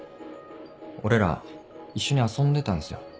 俺ら一緒に遊んでたんすよ。